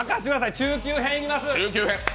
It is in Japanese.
中級編いきます